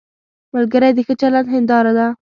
ملګری د ښه چلند هنداره ده